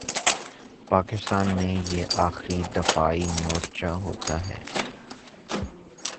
پاکستان میں یہ آخری دفاعی مورچہ ہوتا ہے۔